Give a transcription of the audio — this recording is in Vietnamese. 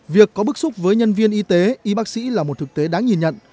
việc có bức xúc với nhân viên y tế y bác sĩ là một thực tế đáng nhìn nhận